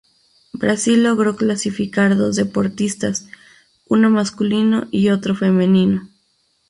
Brasil logró clasificar dos deportistas, uno masculino y otro femenino.